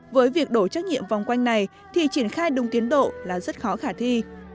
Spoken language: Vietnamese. với việc đổi trách nhiệm vòng quanh này thì triển khai đúng tiến độ là rất khó khả thi